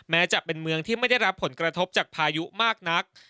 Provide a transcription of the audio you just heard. แม้จะเป็นเมืองที่ไม่ได้รับผลกระทบจากพายุมากนัก